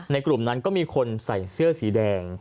กลุ่มนั้นก็มีคนใส่เสื้อสีแดง